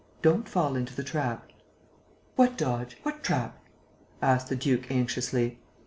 Don't fall into the trap." "What dodge? What trap?" asked the duke, anxiously.